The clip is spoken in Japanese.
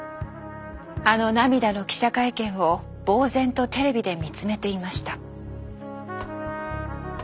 あの涙の記者会見をぼう然とテレビで見つめていました。